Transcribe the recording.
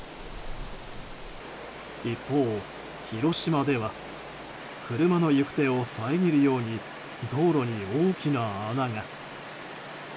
一方、広島では車の行く手を遮るように道路に大きな穴が。